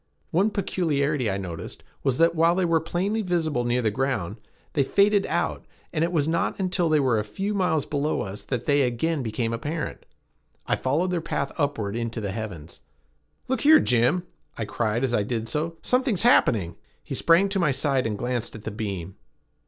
One peculiarity I noticed was that, while they were plainly visible near the ground, they faded out, and it was not until they were a few miles below us that they again became apparent. I followed their path upward into the heavens. "Look here, Jim!" I cried as I did so. "Something's happening!" He sprang to my side and glanced at the beam.